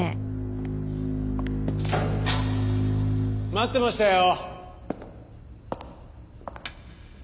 待ってましたよ。